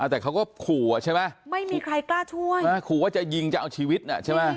แต่เขาก็ขู่อ่ะใช่ไหมไม่มีใครกล้าช่วยขู่ว่าจะยิงจะเอาชีวิตน่ะใช่ไหม